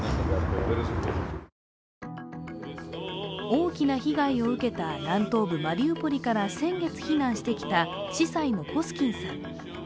大きな被害を受けた南東部マリウポリから先月、避難してきた司祭のコスキンさん。